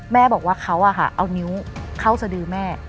แม่บอกว่าเขาเอานิ้วเข้าสดือแม่